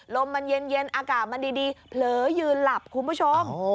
ลมมันเย็นอากาศมันดีเผลอยืนหลับคุณผู้ชม